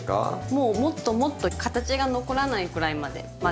もうもっともっと形が残らないくらいまで混ぜて下さい。